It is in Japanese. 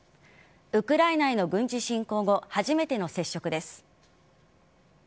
ウクライナへの軍事侵攻後初めての接触です。